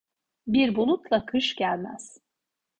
Bir bulutla kış gelmez.